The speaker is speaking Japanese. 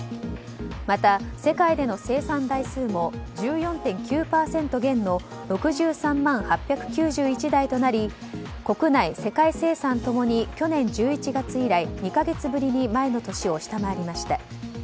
また、世界での生産台数も１４．９％減の６３万８９１台となり国内・世界生産共に去年１１月以来２か月ぶりに前の年を下回りました。